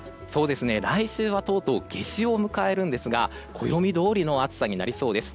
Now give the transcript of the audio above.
来週はとうとう夏至を迎えるんですが暦どおりの暑さになりそうです。